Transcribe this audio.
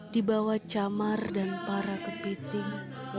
dibawa camar dan para kepiting